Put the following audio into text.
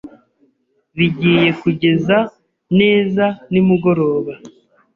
Bigiye kugeza neza nimugoroba,